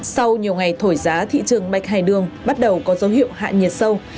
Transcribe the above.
sau nhiều ngày thổi giá thị trường bạch hải đường bắt đầu có dấu hiệu hạ nhiệt sâu